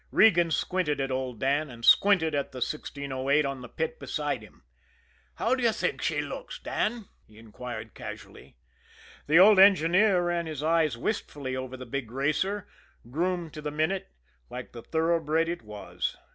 Regan squinted at old Dan and squinted at the 1608 on the pit beside him. "How'd you think she looks, Dan?" he inquired casually. The old engineer ran his eyes wistfully over the big racer, groomed to the minute, like the thoroughbred it was.